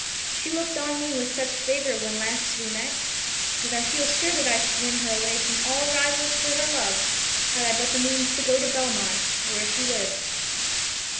She looked on me with such favor when last we met, that I feel sure I should win her away from all rivals for her love had I but the means to go to Belmont, where she lives."